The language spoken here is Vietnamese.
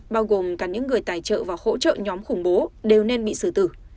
bao gồm cả những người tài trợ và hỗ trợ nhóm khủng bố đều nên bị xử tử